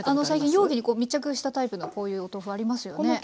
最近容器に密着したタイプのこういうお豆腐ありますよね？